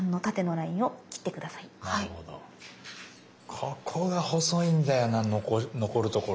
ここが細いんだよな残るところが。